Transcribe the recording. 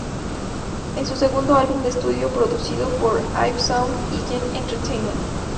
Es su segundo álbum de estudio producido por I've Sound y Geneon Entertainment.